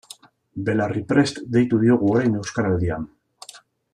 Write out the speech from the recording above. Belarriprest deitu diogu orain Euskaraldian.